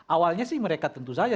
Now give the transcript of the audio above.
awalnya sih mereka tentu saja